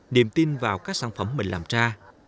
niềm tin vào các sản phẩm mình làm ra